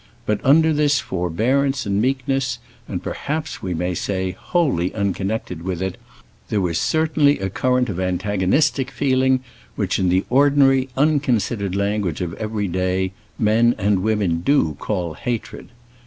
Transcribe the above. But under this forbearance and meekness, and perhaps, we may say, wholly unconnected with it, there was certainly a current of antagonistic feeling which, in the ordinary unconsidered language of every day, men and women do call hatred.